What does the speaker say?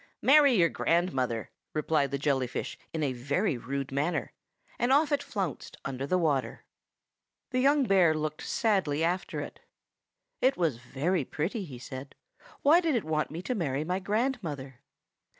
"Marry your grandmother!" replied the jelly fish in a very rude manner; and off it flounced under the water. The young bear looked sadly after it. "It was very pretty," he said; "why did it want me to marry my grandmother?"